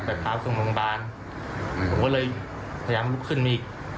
พาขึ้นโรงพยาบาลผมก็เลยพยายามลุกขึ้นมาอีก